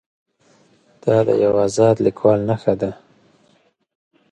دا د یو ازاد لیکوال نښه ده.